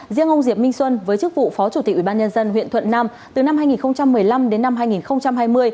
riêng ông diệp minh xuân với chức vụ phó chủ tịch ubnd huyện thuận nam từ năm hai nghìn một mươi năm đến năm hai nghìn hai mươi